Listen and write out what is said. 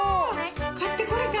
買って来れたん？